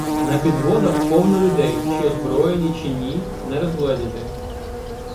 На підводах — повно людей, чи озброєні, чи ні, не розгледіти.